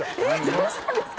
どうしたんですか。